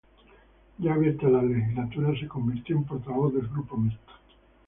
Ya abierta la legislatura, se convirtió en portavoz del Grupo Mixto.